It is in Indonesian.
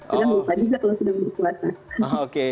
jadi kadang kadang lupa juga kalau sudah berpuasa